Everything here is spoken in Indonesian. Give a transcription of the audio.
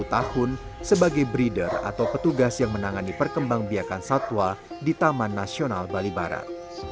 selama dua puluh tahun sebagai breeder atau petugas yang menangani perkembang pihak satwa di taman nasional bali barat